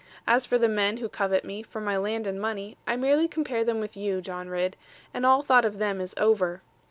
As for the men who covet me, for my land and money, I merely compare them with you, John Ridd; and all thought of them is over.